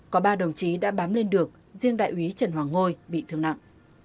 có ba đồng chí đã bám lên được riêng đại úy trần hoàng ngôi bị thương nặng